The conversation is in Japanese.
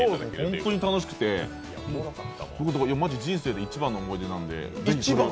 本当に楽しくてマジ人生で一番の思い出なんで。